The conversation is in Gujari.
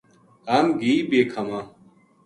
ہم گھی بے کھاواں